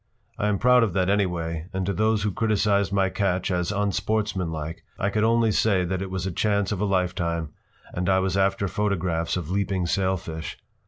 I am proud of that, anyway, and to those who criticized my catch as unsportsman like I could only say that it was a chance of a lifetime and I was after photographs of leaping sailfish.